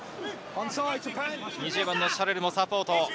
２０番のシャリュローもサポート。